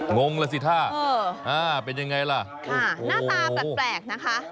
งงล่ะสิท่าเป็นยังไงล่ะค่ะหน้าตาแปลกนะคะ